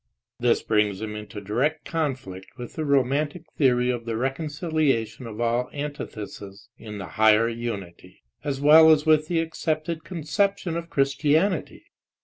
This brings him into direct conflict with the romantic FRIES AND HERBART 2O$ theory of the reconciliation of all antitheses in the higher unity," as well as with the accepted conception of Chris tianity.